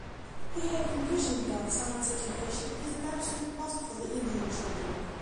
He had envisioned that science education is an absolute must for the Indian children.